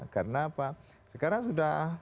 karena apa sekarang sudah